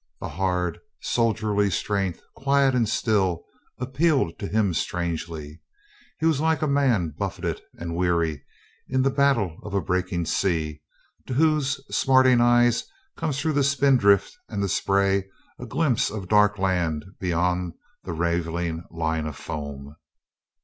The hard, soldierly strength, quiet and still, appealed to him strangely. He was like a man buffeted and weary in the battle of a breaking sea, to whose smarting eyes comes through the spindrift and the spray a glimpse of dark land beyond the raven ing line of foam.